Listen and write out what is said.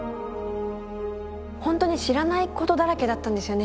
本当に知らないことだらけだったんですよね。